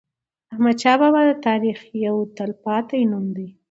احمدشاه بابا د تاریخ یو تل پاتی نوم دی.